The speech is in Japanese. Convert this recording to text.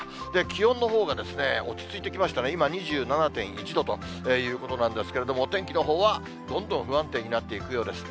気温のほうが、落ち着いてきましたね、今２７．１度ということです、お天気のほうはどんどん不安定になっていくようです。